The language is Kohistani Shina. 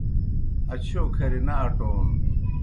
اچِھیؤ کھرہ نہ اٹون